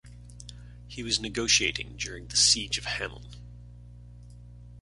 He was negotiating during the "Siege of Hameln".